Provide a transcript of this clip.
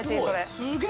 すげえ！